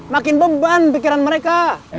makin beban pikiran mereka